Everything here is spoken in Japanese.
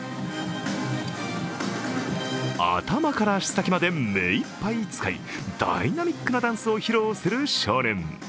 頭から足先まで目いっぱい使い、ダイナミックなダンスを披露する少年。